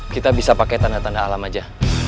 kita bisa pakai tanda tanda alam aja